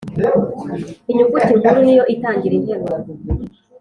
Inyuguti nkuru niyo itangira interuro.